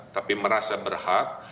tapi merasa berhak